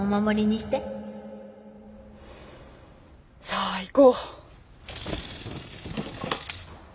さあ行こう。